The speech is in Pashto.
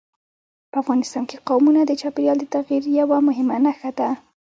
په افغانستان کې قومونه د چاپېریال د تغیر یوه مهمه نښه ده.